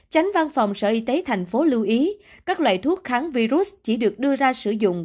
tránh văn phòng sở y tế tp lưu ý các loại thuốc kháng virus chỉ được đưa ra sử dụng